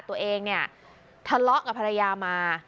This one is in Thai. ตัวเองเนี่ยทะเลาะกับภรรยามา